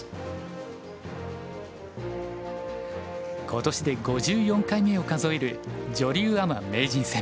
今年で５４回目を数える女流アマ名人戦。